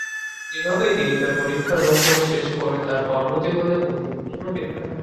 এভাবেই তিনি তার পরীক্ষার বছর শেষ করে তার কর্মজীবনে উন্নতি করেন।